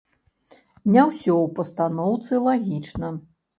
Не ўсё ў пастаноўцы лагічна.